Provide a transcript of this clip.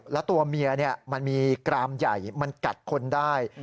แล้วตัวเมียมันมีกรามใหญ่มันกัดคนได้